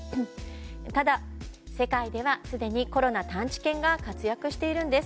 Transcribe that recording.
ただ、世界ではすでにコロナ探知犬が活躍しているんです。